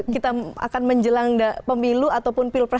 kita akan menjelang pemilu ataupun pilpres